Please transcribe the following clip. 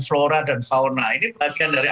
flora dan fauna ini bagian dari